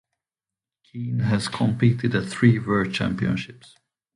Keane has competed at three World Championships.